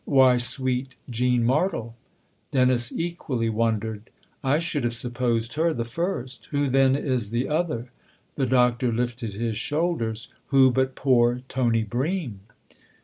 "Why, sweet Jean Martle." Dennis equally wondered. " I should have sup posed her the first ! Who then is the other ?" The Doctor lifted his shoulders. "Who but poor Tony Bream